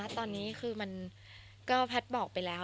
ตอนนี้คือแพทย์บอกไปแล้ว